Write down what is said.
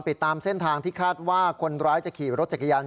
ติดตามเส้นทางที่คาดว่าคนร้ายจะขี่รถจักรยาน